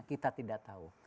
kita tidak tahu